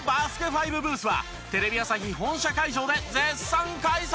ＦＩＶＥブースはテレビ朝日本社会場で絶賛開催中！